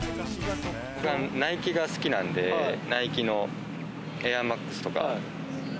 僕はナイキが好きなんで、ナイキのエアマックスとか。